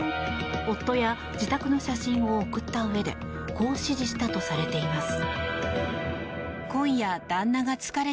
夫や自宅の写真を送ったうえでこう指示したとされています。